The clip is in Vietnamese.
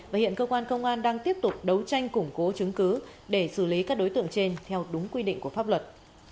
và hiện cơ quan công an đang tiếp tục đấu tranh củng cố chứng cứ để xử lý các đối tượng trên theo đúng quy định của pháp luật